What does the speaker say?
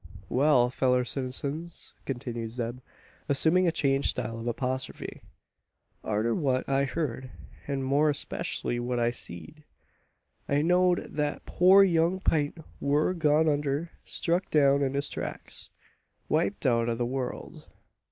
"Wal, fellur citizens!" continues Zeb, assuming a changed style of apostrophe, "arter what I heerd, an more especially what I seed, I knowd that poor young Peint wur gone under struck down in his tracks wiped out o' the world.